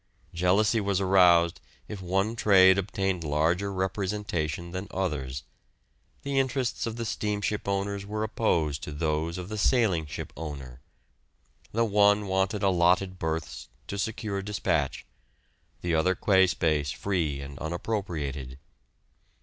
Jealousy was aroused if one trade obtained larger representation than others. The interests of the steamship owners were opposed to those of the sailing ship owner. The one wanted allotted berths to secure dispatch, the other quay space free and unappropriated.